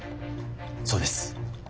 そうです。